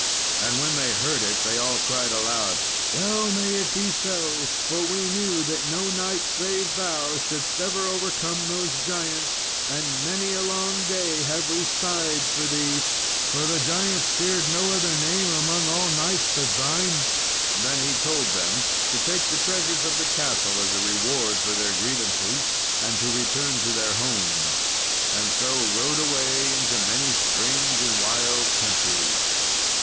And when they heard it, they all cried aloud, "Well may it be so, for we knew that no knight save thou shouldst ever overcome those giants; and many a long day have we sighed for thee; for the giants feared no other name among all knights but thine." Then he told them to take the treasures of the castle as a reward for their grievances, and to return to their homes, and so rode away into many strange and wild countries.